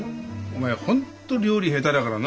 お前は本当料理下手だからな。